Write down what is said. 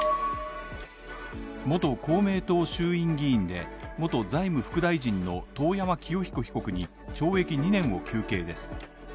元公明党衆院議員で元財務副大臣の遠山清彦被告に、懲役２年を求刑です。